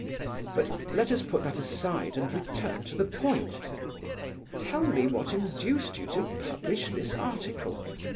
But let us put that aside and return to the point. Tell me what induced you to publish this article.